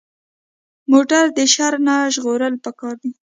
موټر د شر نه ژغورل پکار دي.